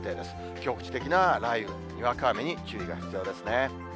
局地的な雷雨、にわか雨に注意が必要ですね。